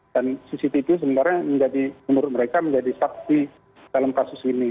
dan cctv sebenarnya menurut mereka menjadi saksi dalam kasus ini